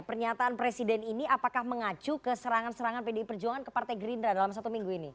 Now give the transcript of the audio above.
pernyataan presiden ini apakah mengacu ke serangan serangan pdi perjuangan ke partai gerindra dalam satu minggu ini